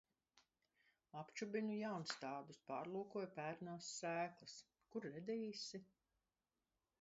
Apčubinu jaunstādus, pārlūkoju pērnās sēklas. Kur redīsi?